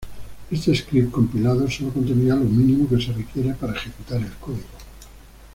Este script compilado sólo contenía lo mínimo que se requiere para ejecutar el código.